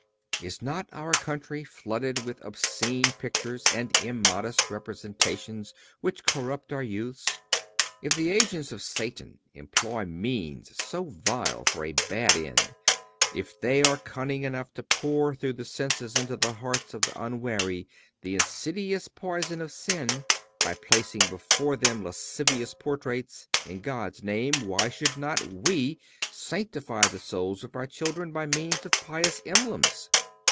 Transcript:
Is not our country flooded with obscene pictures and immodest representations which corrupt our youths? If the agents of Satan employ means so vile for a bad end; if they are cunning enough to pour through the senses into the hearts of the unwary the insidious poison of sin, by placing before them lascivious portraits, in God's name, why should not we sanctify the souls of our children by means of pious emblems?